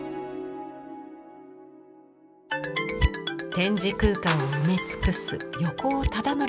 展示空間を埋め尽くす横尾忠則の作品。